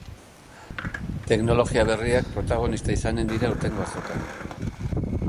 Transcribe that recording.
Teknologia berriak protagonista izanen dira aurtengo azokan.